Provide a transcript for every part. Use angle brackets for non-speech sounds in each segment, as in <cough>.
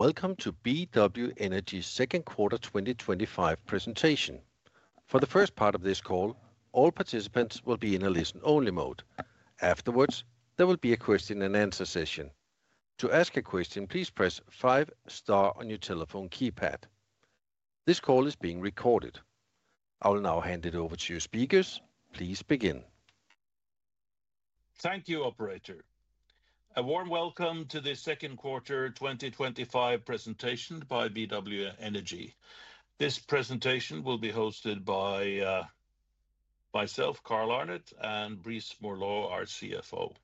Welcome to BW Energy's Second Quarter 2025 presentation. For the first part of this call, all participants will be in a listen-only mode. Afterwards, there will be a question and answer session. To ask a question, please press five star on your telephone keypad. This call is being recorded. I will now hand it over to your speakers. Please begin. Thank you, operator. A warm welcome to this Second Quarter 2025 presentation by BW Energy. This presentation will be hosted by myself, Carl Arnet, and Brice Morlot, our CFO.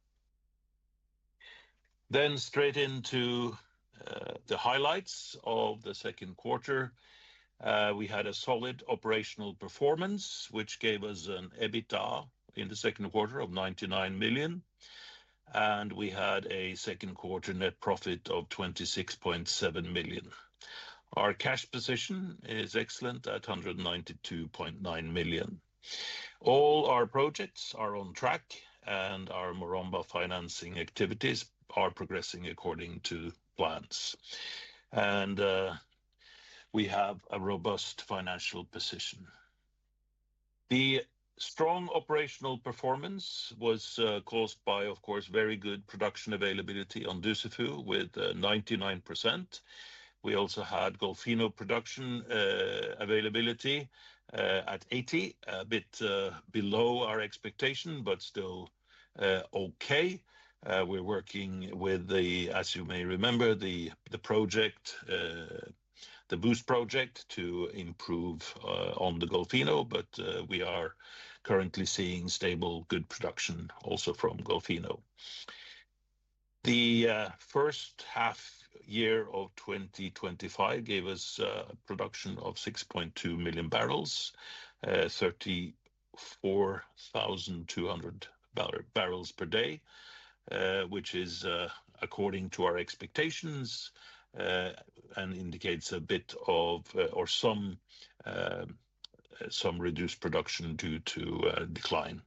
Straight into the highlights of the second quarter. We had a solid operational performance, which gave us an EBITDA in the second quarter of $99 million, and we had a second quarter net profit of $26.7 million. Our cash position is excellent at $192.9 million. All our projects are on track, and our Maromba financing activities are progressing according to plans. We have a robust financial position. The strong operational performance was caused by, of course, very good production availability on Dussafu with 99%. We also had Golfinho production availability at 80%, a bit below our expectation, but still okay. We're working with the, as you may remember, the project, the Boost project to improve on the Golfinho, but we are currently seeing stable, good production also from Golfinho. The first half year of 2025 gave us a production of 6.2 million barrels, 34,200 barrels per day, which is according to our expectations and indicates a bit of, or some, some reduced production due to decline.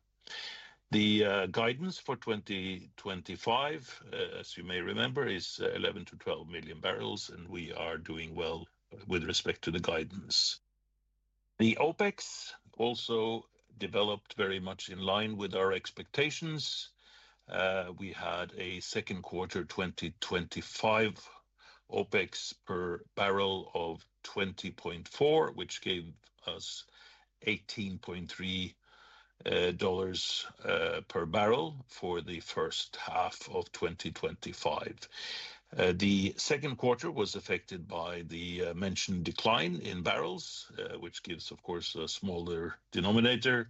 The guidance for 2025, as you may remember, is 11 million-12 million barrels, and we are doing well with respect to the guidance. The OpEx also developed very much in line with our expectations. We had a second quarter 2025 OpEx per barrel of $20.4, which gave us $18.3 per barrel for the first half of 2025. The second quarter was affected by the mentioned decline in barrels, which gives, of course, a smaller denominator.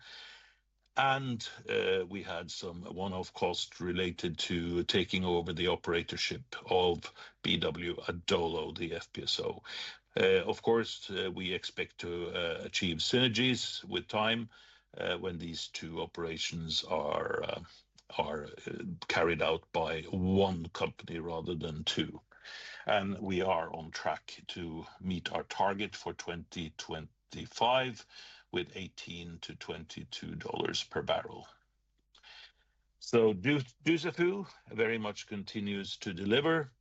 We had some one-off costs related to taking over the operatorship of BW Adolo, the FPSO. We expect to achieve synergies with time when these two operations are carried out by one company rather than two. We are on track to meet our target for 2025 with $18-$22 per barrel. Dussafu very much continues to deliver.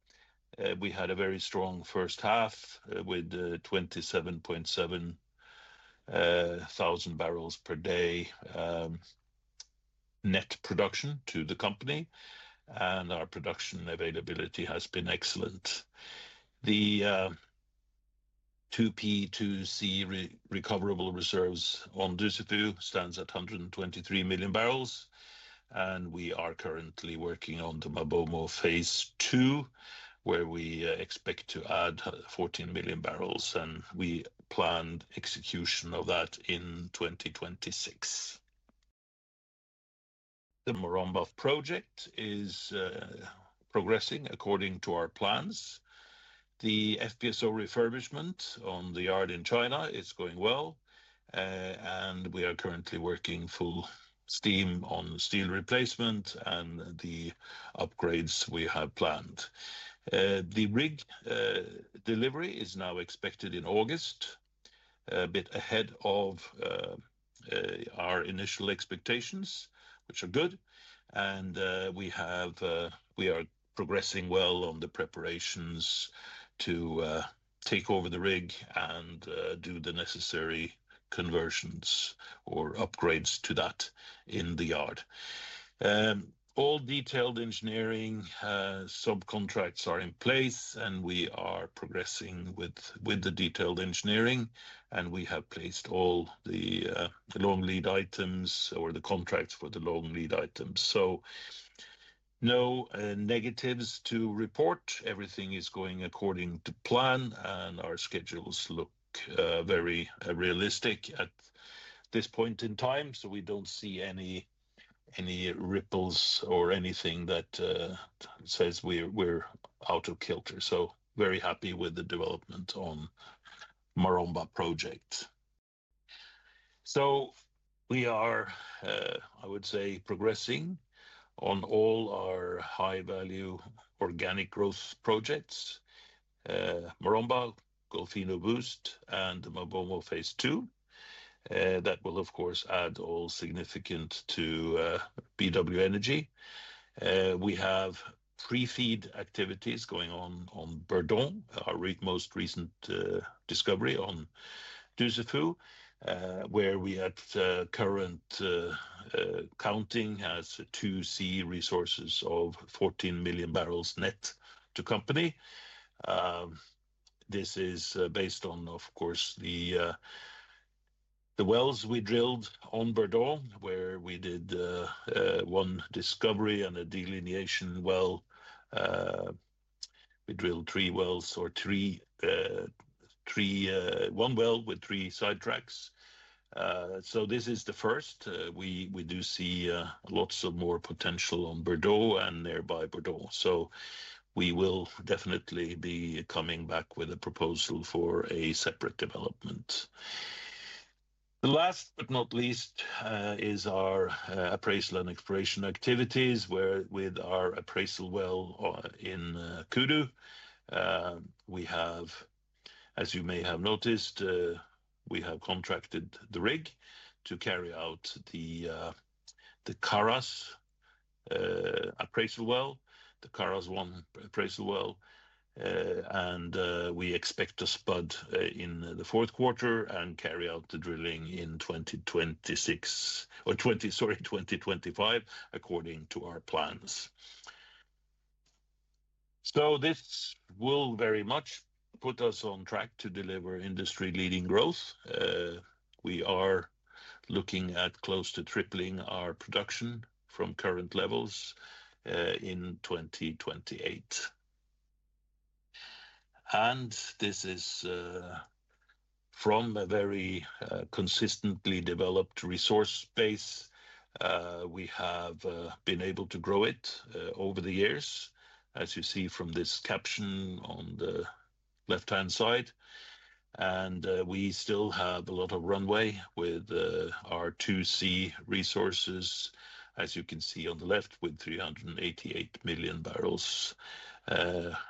We had a very strong first half with 27,700 barrels per day net production to the company, and our production availability has been excellent. The 2P2C recoverable reserves on Dussafu stand at 123 million barrels, and we are currently working on the MaBoMo Phase 2, where we expect to add 14 million barrels, and we plan execution of that in 2026. The Maromba project is progressing according to our plans. The FPSO refurbishment on the yard in China is going well, and we are currently working full steam on the steel replacement and the upgrades we have planned. The rig delivery is now expected in August, a bit ahead of our initial expectations, which is good. We are progressing well on the preparations to take over the rig and do the necessary conversions or upgrades to that in the yard. All detailed engineering subcontracts are in place, and we are progressing with the detailed engineering, and we have placed all the long lead items or the contracts for the long lead items. No negatives to report. Everything is going according to plan, and our schedules look very realistic at this point in time. We do not see any ripples or anything that says we're out of kilter. Very happy with the development on the Maromba project. We are, I would say, progressing on all our high-value organic growth projects: Maromba, Golfinho Boost, and the MaBoMo Phase 2. That will, of course, add all significant to BW Energy. We have pre-feed activities going on on Bourdon, our most recent discovery on Dussafu, where we had current counting as 2C resources of 14 million barrels net to company. This is based on, of course, the wells we drilled on Bourdon, where we did one discovery and a delineation well. We drilled three wells or one well with three side tracks. This is the first. We do see lots of more potential on Bourdon and nearby Bourdon. We will definitely be coming back with a proposal for a separate development. Last but not least is our appraisal and exploration activities with our appraisal well in Kudu. As you may have noticed, we have contracted the rig to carry out the Kharas appraisal well, the Kharas-1 appraisal well, and we expect to spud in the fourth quarter and carry out the drilling in 2026 or, sorry, 2025, according to our plans. This will very much put us on track to deliver industry-leading growth. We are looking at close to tripling our production from current levels in 2028. This is from a very consistently developed resource base. We have been able to grow it over the years, as you see from this caption on the left-hand side. We still have a lot of runway with our 2C resources, as you can see on the left, with 388 million barrels,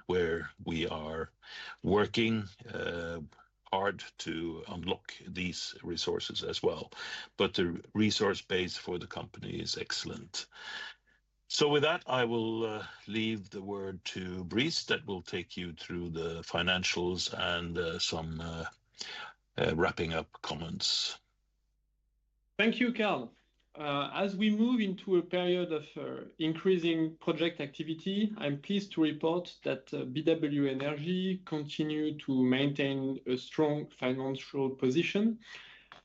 where we are working hard to unlock these resources as well. The resource base for the company is excellent. With that, I will leave the word to Brice Morlot, who will take you through the financials and some wrapping up comments. Thank you, Carl. As we move into a period of increasing project activity, I'm pleased to report that BW Energy continues to maintain a strong financial position.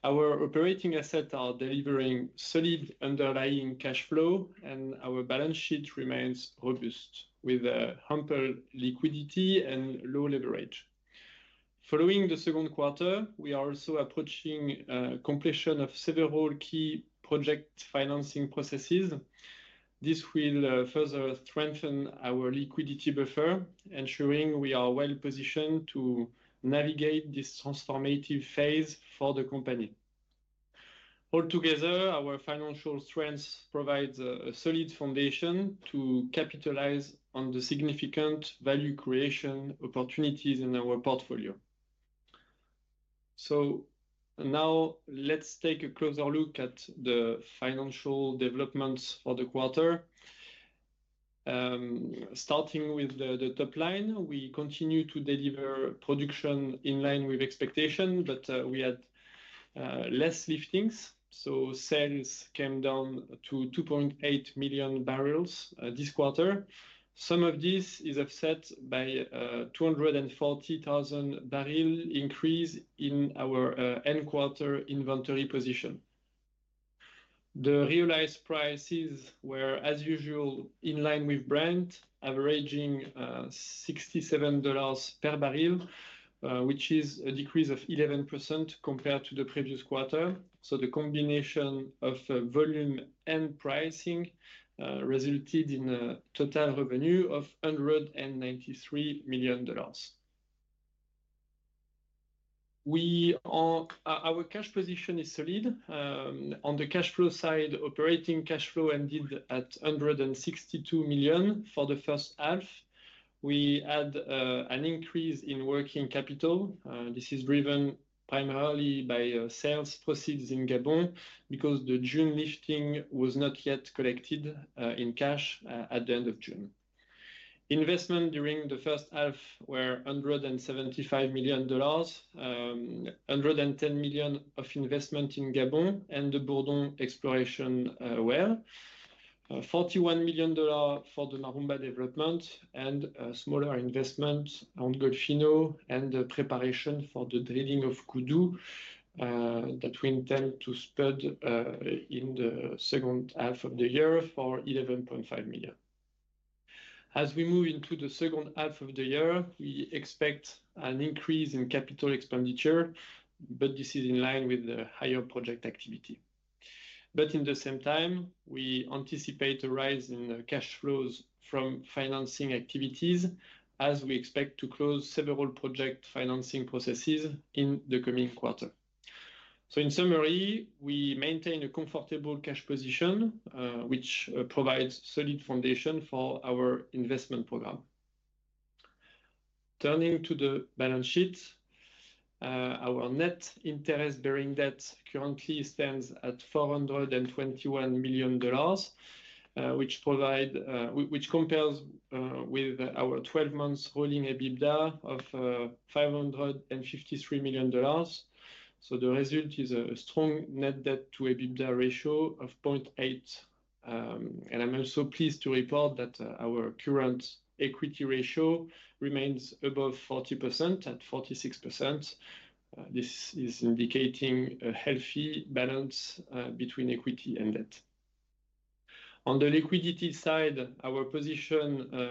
Our operating assets are delivering solid underlying cash flow, and our balance sheet remains robust with ample liquidity and low leverage. Following the second quarter, we are also approaching the completion of several key project financing processes. This will further strengthen our liquidity buffer, ensuring we are well-positioned to navigate this transformative phase for the company. Altogether, our financial strengths provide a solid foundation to capitalize on the significant value creation opportunities in our portfolio. Now, let's take a closer look at the financial developments for the quarter. Starting with the top line, we continue to deliver production in line with expectation, but we had less liftings. Sales came down to 2.8 million barrels this quarter. Some of this is offset by a 240,000 barrel increase in our end quarter inventory position. The realized prices were, as usual, in line with Brent, averaging $67 per barrel, which is a decrease of 11% compared to the previous quarter. The combination of volume and pricing resulted in a total revenue of $193 million. Our cash position is solid. On the cash flow side, operating cash flow ended at $162 million for the first half. We had an increase in working capital. This is driven primarily by sales proceeds in Gabon because the June lifting was not yet collected in cash at the end of June. Investment during the first half were $175 million. $110 million of investment in Gabon and the Bourdon exploration well. $41 million for the Maromba development and a smaller investment on Golfinho and the preparation for the drilling of Kudu that we intend to spud in the second half of the year for $11.5 million. As we move into the second half of the year, we expect an increase in capital expenditure, which is in line with the higher project activity. At the same time, we anticipate a rise in cash flows from financing activities as we expect to close several project financing processes in the coming quarter. In summary, we maintain a comfortable cash position, which provides a solid foundation for our investment program. Turning to the balance sheet, our net interest-bearing debt currently stands at $421 million, which compares with our 12 months rolling EBITDA of $553 million. The result is a strong net debt-to-EBITDA ratio of 0.8. I'm also pleased to report that our current equity ratio remains above 40% at 46%. This is indicating a healthy balance between equity and debt. On the liquidity side, our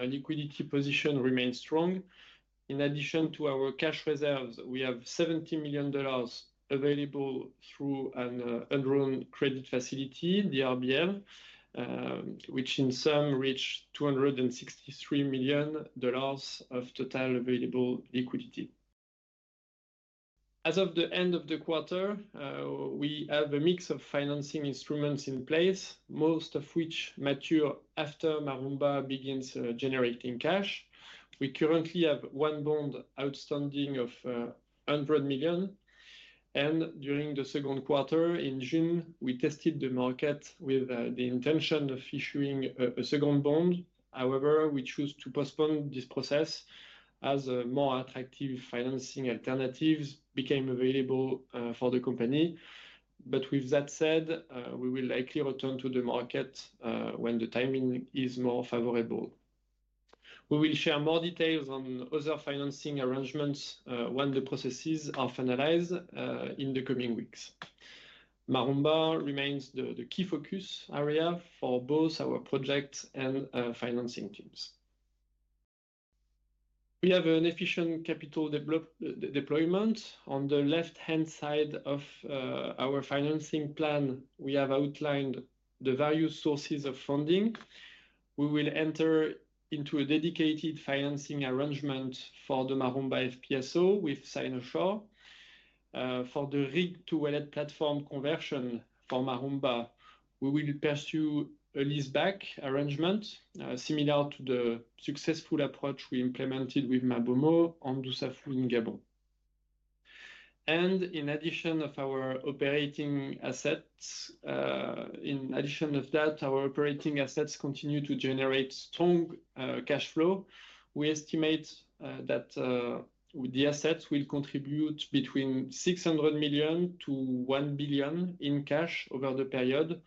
liquidity position remains strong. In addition to our cash reserves, we have $70 million available through an unrolled credit facility, the RBL, which in sum reached $263 million of total available liquidity. As of the end of the quarter, we have a mix of financing instruments in place, most of which mature after Maromba begins generating cash. We currently have one bond outstanding of $100 million. During the second quarter in June, we tested the market with the intention of issuing a second bond. However, we chose to postpone this process as more attractive financing alternatives became available for the company. We will likely return to the market when the timing is more favorable. We will share more details on other financing arrangements when the processes are finalized in the coming weeks. Maromba remains the key focus area for both our project and financing teams. We have an efficient capital deployment. On the left-hand side of our financing plan, we have outlined the various sources of funding. We will enter into a dedicated financing arrangement for the Maromba FPSO with Sinosure. For the rig-to-wallet platform conversion for Maromba, we will pursue a leaseback arrangement similar to the successful approach we implemented with MaBoMo on Dussafu in Gabon. In addition, our operating assets continue to generate strong cash flow. We estimate that the assets will contribute between $600 million to $1 billion in cash over the period,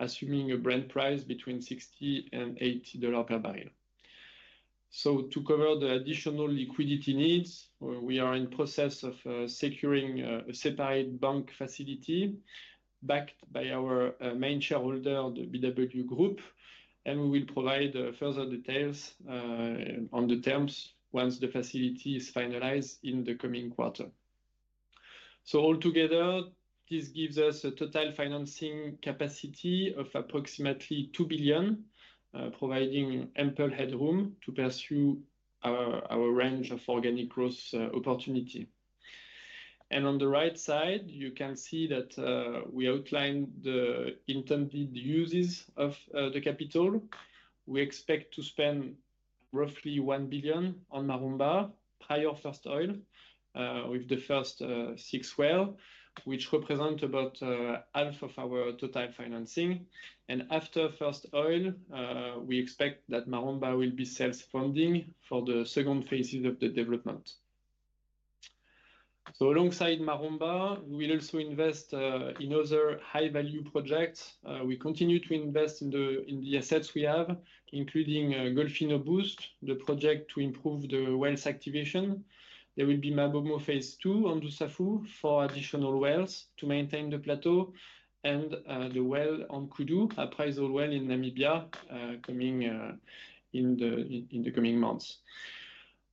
assuming a Brent price between $60 and $80 per barrel. To cover the additional liquidity needs, we are in the process of securing a separate bank facility backed by our main shareholder, the BW Group. We will provide further details on the terms once the facility is finalized in the coming quarter. Altogether, this gives us a total financing capacity of approximately $2 billion, providing ample headroom to pursue our range of organic growth opportunity. On the right side, you can see that we outlined the intended uses of the capital. We expect to spend roughly $1 billion on Maromba, prior to first oil, with the first six wells, which represent about half of our total financing. After first oil, we expect that Maromba will be self-funding for the second phases of the development. Alongside Maromba, we will also invest in other high-value projects. We continue to invest in the assets we have, including Golfinho Boost, the project to improve the wells activation. There will be MaBoMo Phase 2 on Dussafu for additional wells to maintain the plateau and the well on Kudu, a prized oil well in Namibia, coming in the coming months.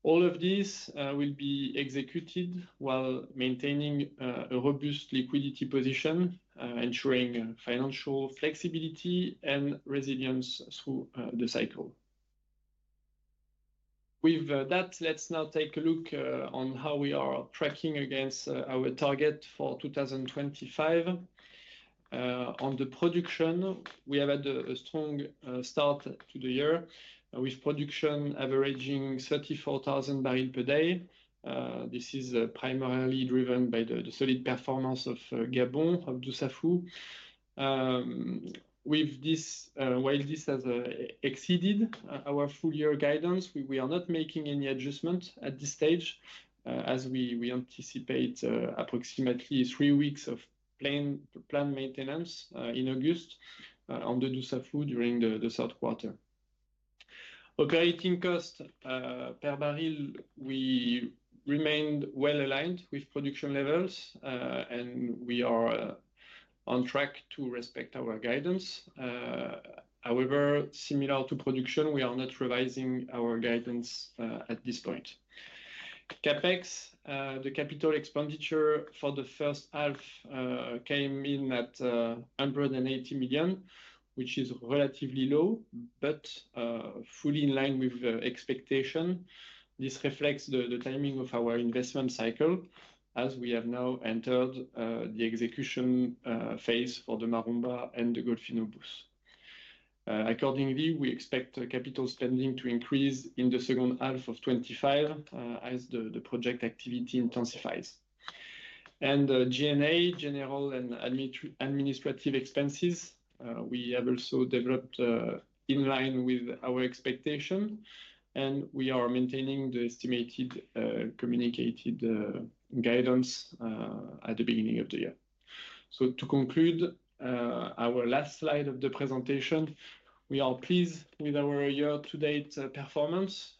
All of this will be executed while maintaining a robust liquidity position, ensuring financial flexibility and resilience through the cycle. With that, let's now take a look on how we are tracking against our target for 2025. On the production, we have had a strong start to the year with production averaging 34,000 barrels per day. This is primarily driven by the solid performance of Gabon of Dussafu. While this has exceeded our full-year guidance, we are not making any adjustments at this stage as we anticipate approximately three weeks of planned maintenance in August on the Dussafu during the third quarter. Operating cost per barrel, we remain well-aligned with production levels, and we are on track to respect our guidance. However, similar to production, we are not revising our guidance at this point. CapEx, the capital expenditure for the first half came in at $180 million, which is relatively low, but fully in line with expectation. This reflects the timing of our investment cycle as we have now entered the execution phase for the Maromba and the Golfinho Boost. Accordingly, we expect capital spending to increase in the second half of 2025 as the project activity intensifies. G&A, general and administrative expenses, have also developed in line with our expectation, and we are maintaining the estimated communicated guidance at the beginning of the year. To conclude, our last slide of the presentation, we are pleased with our year-to-date performance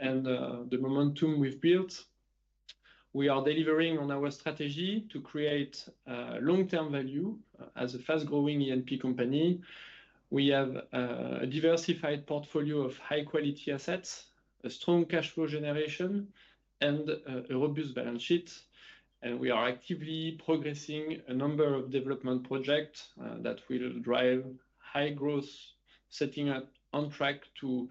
and the momentum we've built. We are delivering on our strategy to create long-term value as a fast-growing E&P company. We have a diversified portfolio of high-quality assets, a strong cash flow generation, and a robust balance sheet. We are actively progressing a number of development projects that will drive high growth, setting us on track to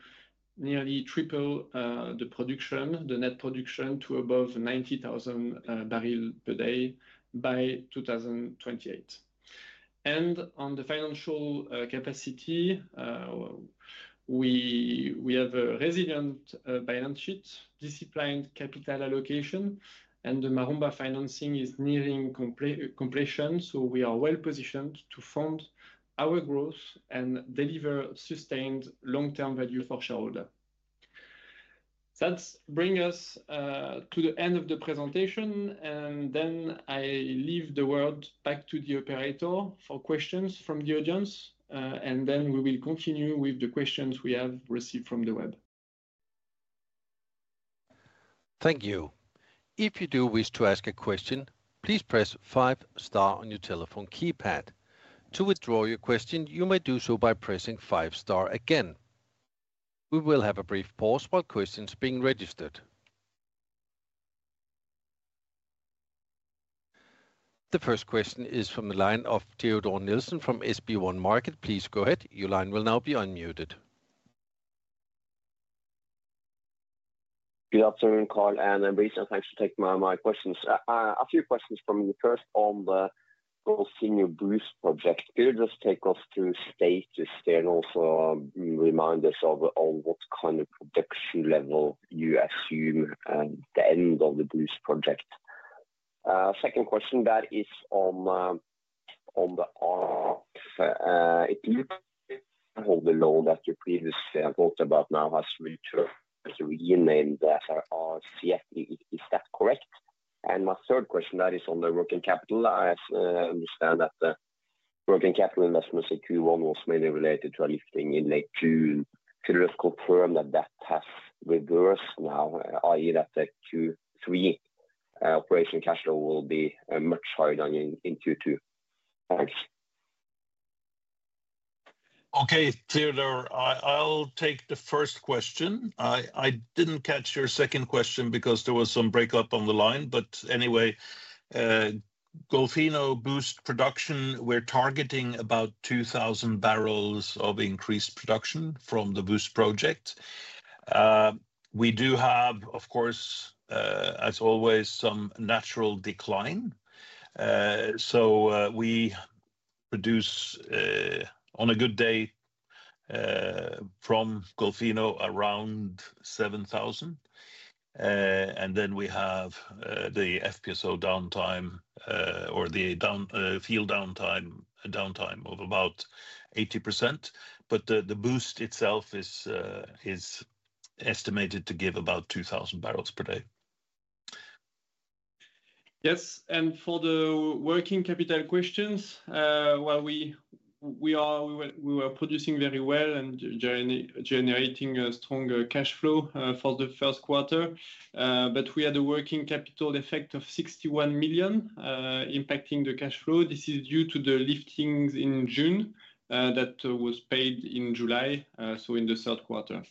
nearly triple the net production to above 90,000 barrels per day by 2028. On the financial capacity, we have a resilient balance sheet, disciplined capital allocation, and the Maromba financing is nearing completion. We are well positioned to fund our growth and deliver sustained long-term value for shareholders. That brings us to the end of the presentation. I leave the word back to the operator for questions from the audience. We will continue with the questions we have received from the web. Thank you. If you do wish to ask a question, please press five star on your telephone keypad. To withdraw your question, you may do so by pressing five star again. We will have a brief pause while questions are being registered. The first question is from the line of Teodor Nilsen from SB1 Markets. Please go ahead. Your line will now be unmuted. Good afternoon, Carl and Brice. Thanks for taking my questions. A few questions from me. First, on the Golfinho Boost project, could you just take us through the status there and also remind us of what kind of legacy level you assume at the end of the Boost project? Second question, that is on the <audio distortion> loan that you previously talked about now has returned as a renamed RCFP. Is that correct? My third question, that is on the broken capital. I understand that the broken capital investment secure one was mainly related to a lifting in late June. Could you just confirm that that has reversed now, i.e., that the Q3 operation cash flow will be much higher than in Q2? Thanks. Okay, Teodor. I'll take the first question. I didn't catch your second question because there was some breakup on the line. Anyway, Golfinho Boost production, we're targeting about 2,000 barrels of increased production from the Boost project. We do have, of course, as always, some natural decline. We produce on a good day from Golfinho around 7,000. We have the FPSO downtime or the field downtime of about 80%. The Boost itself is estimated to give about 2,000 barrels per day. Yes. For the working capital questions, while we are producing very well and generating a stronger cash flow for the first quarter, we had a working capital effect of $61 million impacting the cash flow. This is due to the liftings in June that was paid in July, in the third quarter.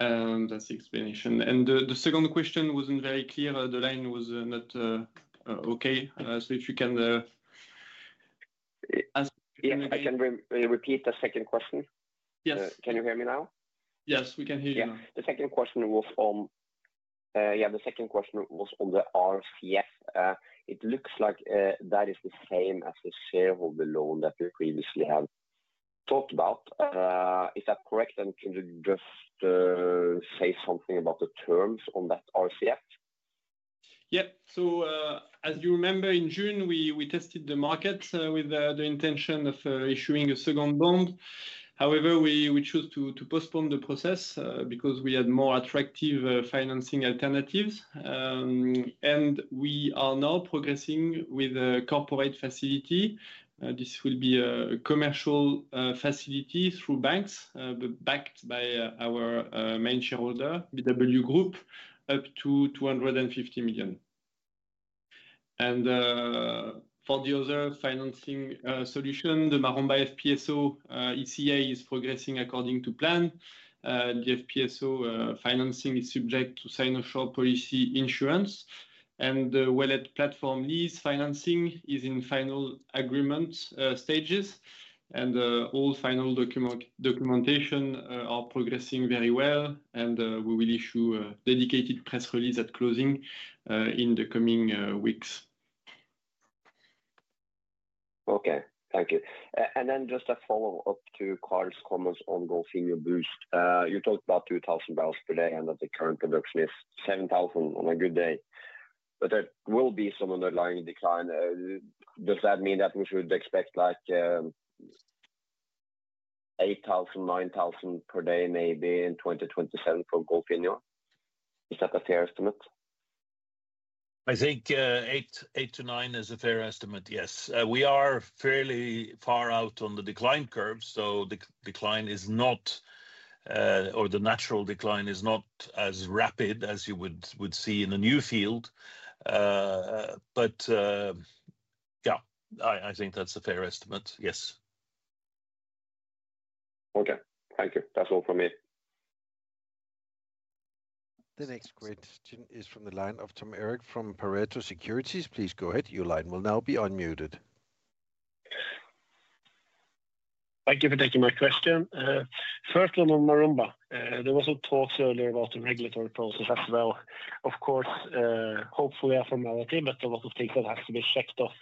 That's the explanation. The second question wasn't very clear. The line was not okay. If you can ask. I can repeat the second question. Yes. Can you hear me now? Yes, we can hear you now. The second question was on the RCF. It looks like that is the same as the shareholder loan that we previously had talked about. Is that correct? Could you just say something about the terms on that RCF? As you remember, in June, we tested the markets with the intention of issuing a second bond. However, we chose to postpone the process because we had more attractive financing alternatives. We are now progressing with a corporate facility. This will be a commercial facility through banks backed by our main shareholder, BW Group, up to $250 million. For the other financing solution, the Maromba FPSO ECA is progressing according to plan. The FPSO financing is subject to Sinosure policy insurance. The wallet platform lease financing is in final agreement stages, and all final documentation is progressing very well. We will issue a dedicated press release at closing in the coming weeks. Okay. Thank you. Just a follow-up to Carl's comments on Golfinho Boost. You talked about 2,000 barrels per day and that the current production is 7,000 on a good day. There will be some underlying decline. Does that mean that we should expect like 8,000, 9,000 per day maybe in 2027 for Golfinho? Is that a fair estimate? I think 8,000-9,000 is a fair estimate, yes. We are fairly far out on the decline curve. The decline is not, or the natural decline is not as rapid as you would see in a new field. I think that's a fair estimate, yes. Okay. Thank you. That's all from me. The next question is from the line of Tom Erik from Pareto Securities. Please go ahead. Your line will now be unmuted. Thank you for taking my question. First on Maromba. There was a talk earlier about the regulatory process as well. Of course, hopefully, a formality, but a lot of things that have to be checked off.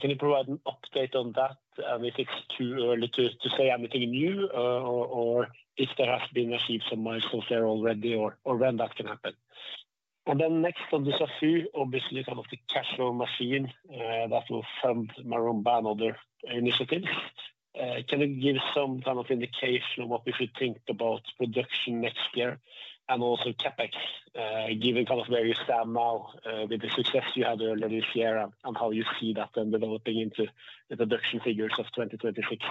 Can you provide an update on that? If it's too early to say anything new, or if there have been achieved some milestones there already, or when that can happen? Next on the subsidy, obviously, kind of the cash flow machine that will fund Maromba and other initiatives. Can you give some kind of indication of what you think about production next year and also CapEx, given kind of where you stand now with the success you had earlier this year and how you see that then developing into the production figures of 2026?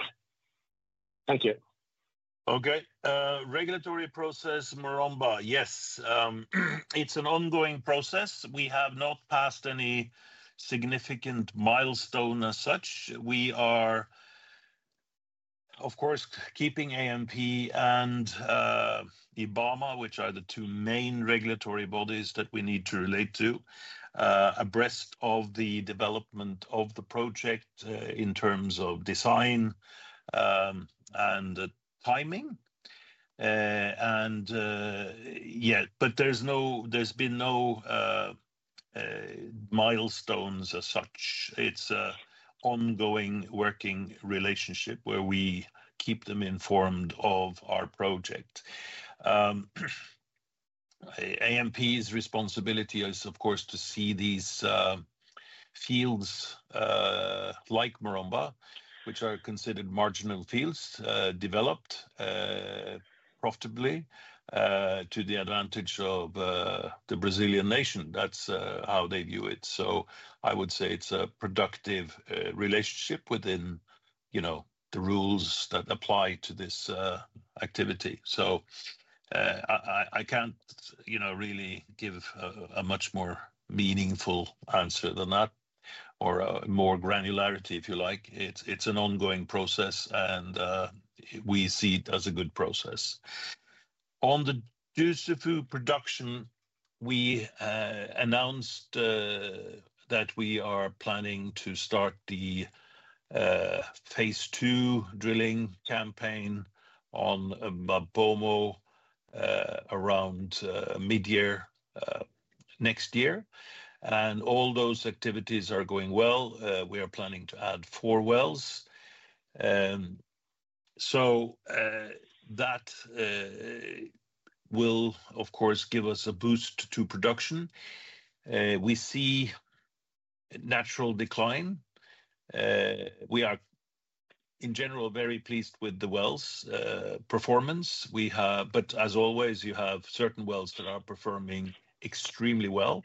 Thank you. Okay. Regulatory process, Maromba, yes. It's an ongoing process. We have not passed any significant milestone as such. We are, of course, keeping ANP and IBAMA, which are the two main regulatory bodies that we need to relate to, abreast of the development of the project in terms of design and timing. There's been no milestones as such. It's an ongoing working relationship where we keep them informed of our project. ANP's responsibility is, of course, to see these fields like Maromba, which are considered marginal fields, developed profitably to the advantage of the Brazilian nation. That's how they view it. I would say it's a productive relationship within the rules that apply to this activity. I can't really give a much more meaningful answer than that or more granularity, if you like. It's an ongoing process, and we see it as a good process. On the Dussafu production, we announced that we are planning to start the Phase 2 drilling campaign on MaBoMo around mid-year next year. All those activities are going well. We are planning to add four wells. That will, of course, give us a boost to production. We see natural decline. We are, in general, very pleased with the wells' performance. As always, you have certain wells that are performing extremely well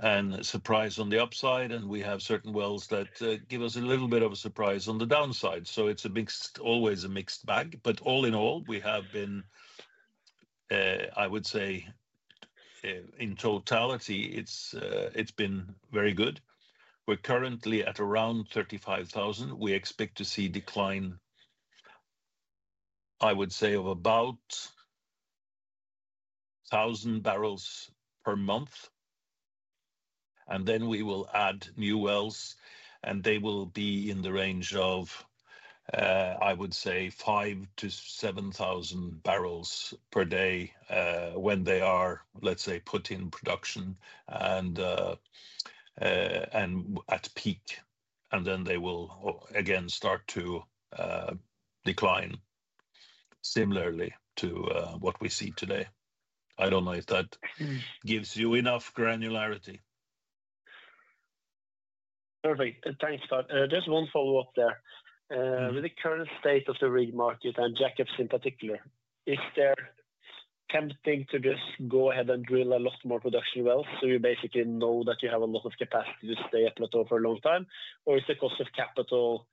and surprised on the upside, and we have certain wells that give us a little bit of a surprise on the downside. It's always a mixed bag. All in all, we have been, I would say, in totality, it's been very good. We're currently at around 35,000. We expect to see decline, I would say, of about 1,000 barrels per month. We will add new wells, and they will be in the range of, I would say, 5,000-7,000 barrels per day when they are, let's say, put in production and at peak. They will again start to decline similarly to what we see today. I don't know if that gives you enough granularity. Perfect. Thanks, Carl. Just one follow-up there. With the current state of the rig market and jack-ups particularly, is there tempting to just go ahead and drill a lot more production wells? Do you basically know that you have a lot of capacity to stay at plateau for a long time, or is the cost of capital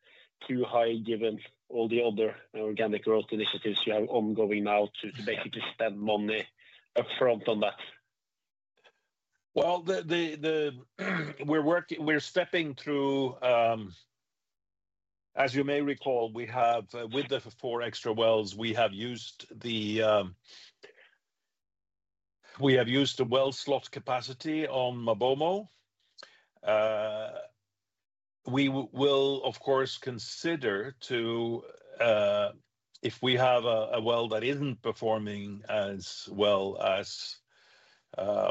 too high given all the other organic growth initiatives you have ongoing now to basically spend money upfront on that? We are working, we are stepping through, as you may recall, we have with the four extra wells, we have used the well slot capacity on MaBoMo. We will, of course, consider, if we have a well that is not performing as well as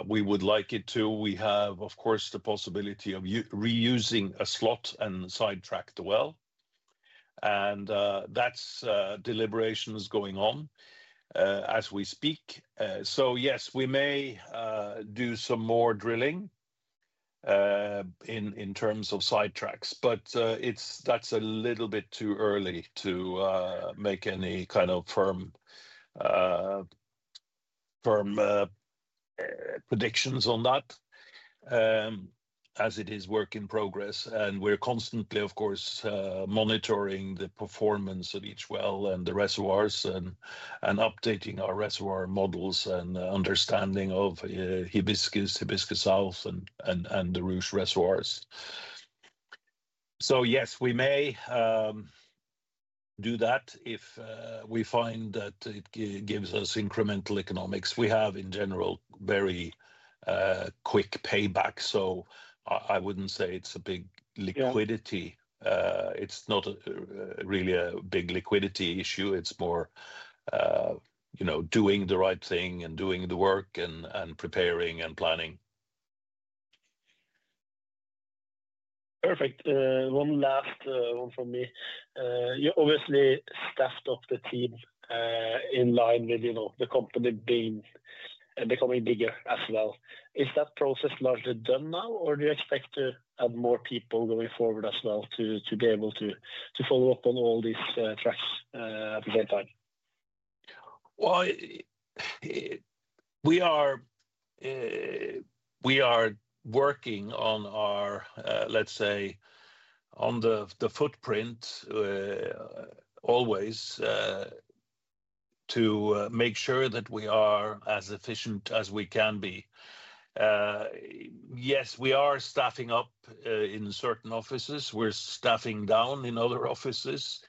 we would like it to, we have, of course, the possibility of reusing a slot and sidetrack the well. That is deliberations going on as we speak. Yes, we may do some more drilling in terms of sidetracks, but that is a little bit too early to make any kind of firm predictions on that as it is work in progress. We are constantly, of course, monitoring the performance of each well and the reservoirs and updating our reservoir models and understanding of Hibiscus, Hibiscus South, and the Ruche reservoirs. Yes, we may do that if we find that it gives us incremental economics. We have, in general, very quick payback. I would not say it is a big liquidity. It is not really a big liquidity issue. It is more doing the right thing and doing the work and preparing and planning. Perfect. One last one from me. You obviously staffed up the team in line with the company becoming bigger as well. Is that process largely done now, or do you expect to add more people going forward as well to be able to follow up on all these tracks at the same time? We are working on our, let's say, on the footprint always to make sure that we are as efficient as we can be. Yes, we are staffing up in certain offices. We're staffing down in other offices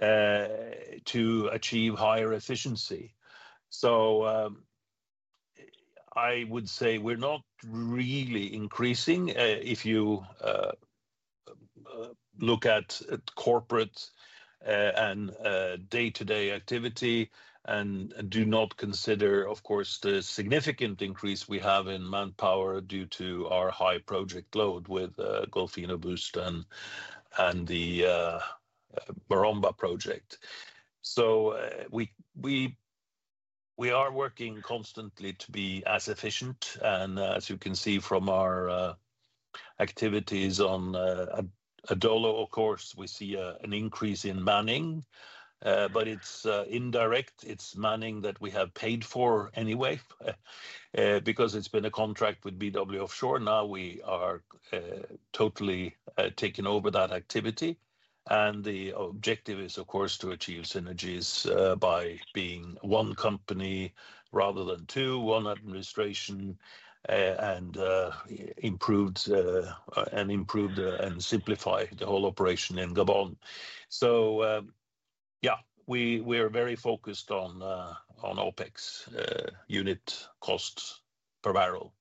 to achieve higher efficiency. I would say we're not really increasing if you look at corporate and day-to-day activity and do not consider, of course, the significant increase we have in manpower due to our high project load with Golfinho Boost and the Maromba project. We are working constantly to be as efficient. As you can see from our activities on Adolo, of course, we see an increase in manning, but it's indirect. It's manning that we have paid for anyway because it's been a contract with BW Offshore. Now we are totally taking over that activity. The objective is, of course, to achieve synergies by being one company rather than two, one administration, and improved and simplified the whole operation in Gabon. Yeah, we are very focused on OpEx unit costs per barrel.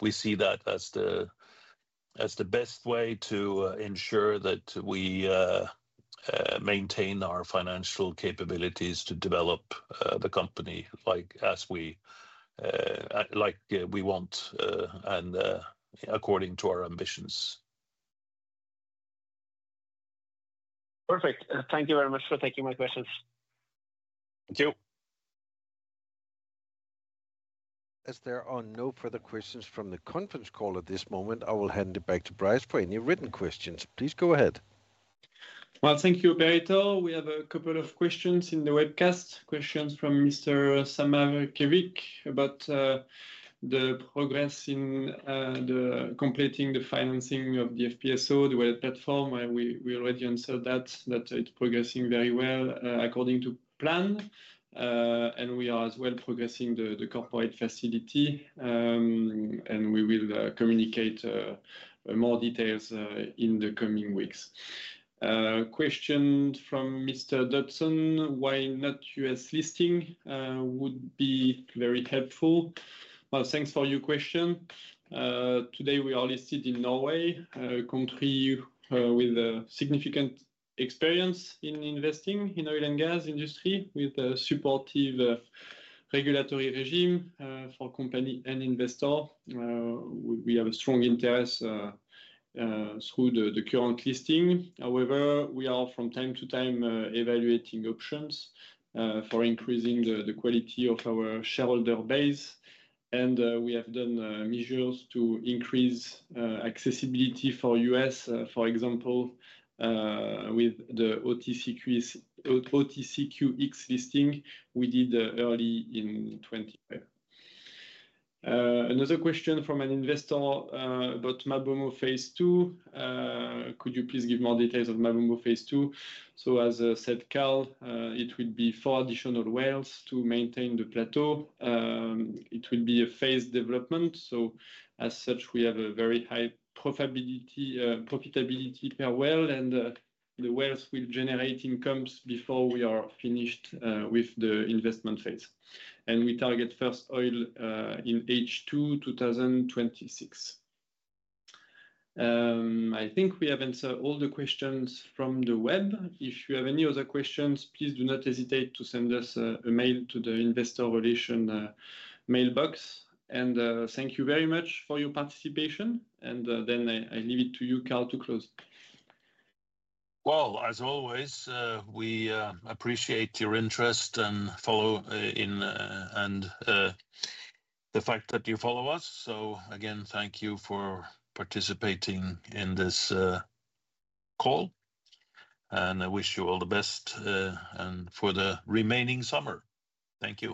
We see that as the best way to ensure that we maintain our financial capabilities to develop the company like we want and according to our ambitions. Perfect. Thank you very much for taking my questions. Thank you. As there are no further questions from the conference call at this moment, I will hand it back to Brice for any written questions. Please go ahead. Thank you, operator. We have a couple of questions in the webcast. Questions from Mr. Samar Kevik about the progress in completing the financing of the FPSO, the wallet platform. We already answered that, that it's progressing very well according to plan. We are as well progressing the corporate facility, and we will communicate more details in the coming weeks. Question from Mr. Dodson. Why not U.S. listing would be very helpful. Thanks for your question. Today, we are listed in Norway, a country with significant experience in investing in the oil and gas industry with a supportive regulatory regime for company and investor. We have a strong interest through the current listing. However, we are, from time to time, evaluating options for increasing the quality of our shareholder base. We have done measures to increase accessibility for U.S., for example, with the OTCQX listing we did early in 2025. Another question from an investor about MaBoMo Phase 2. Could you please give more details on MaBoMo Phase 2? As I said, Carl, it would be four additional wells to maintain the plateau. It would be a phased development. As such, we have a very high profitability per well, and the wells will generate incomes before we are finished with the investment phase. We target first oil in H2 2026. I think we have answered all the questions from the web. If you have any other questions, please do not hesitate to send us a mail to the investor relation mailbox. Thank you very much for your participation. I leave it to you, Carl, to close. As always, we appreciate your interest and the fact that you follow us. Again, thank you for participating in this call. I wish you all the best for the remaining summer. Thank you.